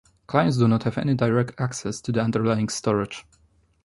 Clients do not have any direct access to the underlying storage.